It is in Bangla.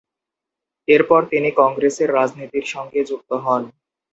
এরপর তিনি কংগ্রেসের রাজনীতির সঙ্গে যুক্ত হন।